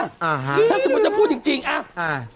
อ่าฮะถ้าสมมุติว่าพูดจริงอ่ะอ่า